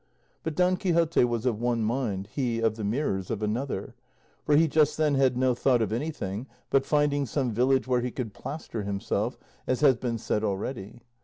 But Don Quixote was of one mind, he of the Mirrors of another, for he just then had no thought of anything but finding some village where he could plaster himself, as has been said already.